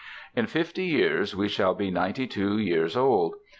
In fifty years we shall be ninety two years old.